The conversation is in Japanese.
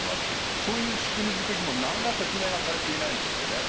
そういう仕組み作りも、なんら説明されていないんですよね。